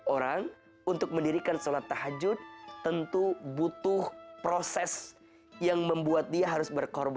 orang untuk mendirikan sholat tahajud tentu butuh proses yang membuat dia harus berkorban